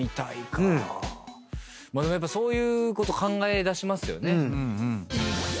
でもやっぱそういうこと考えだしますよね。